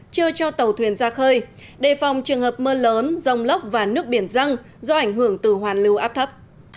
chưa cho tàu thuyền ra khơi đề phòng trường hợp mưa lớn rông lốc và nước biển răng do ảnh hưởng từ hoàn lưu áp thấp